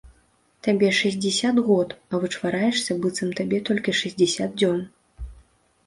Табе шэсцьдзесят год, а вычвараешся, быццам табе толькі шэсцьдзесят дзён.